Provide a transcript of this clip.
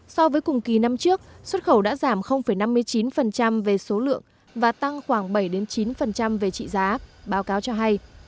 so với cùng kỳ năm trước xuất khẩu đã giảm năm mươi chín về số lượng và tăng khoảng bảy chín về trị giá báo cáo cho hay